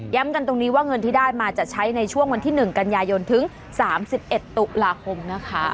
กันตรงนี้ว่าเงินที่ได้มาจะใช้ในช่วงวันที่๑กันยายนถึง๓๑ตุลาคมนะคะ